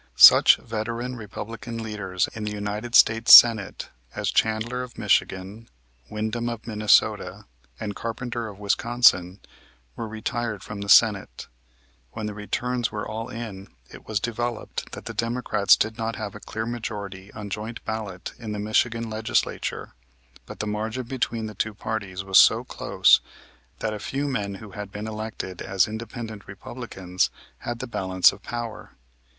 Such veteran Republican leaders in the United States Senate as Chandler, of Michigan, Windom, of Minnesota, and Carpenter, of Wisconsin, were retired from the Senate. When the returns were all in it was developed that the Democrats did not have a clear majority on joint ballot in the Michigan Legislature, but the margin between the two parties was so close that a few men who had been elected as independent Republicans had the balance of power.